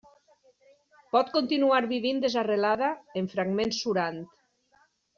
Pot continuar vivint desarrelada, en fragments surant.